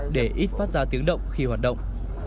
để ít phát ra tiếng động khi hoạt động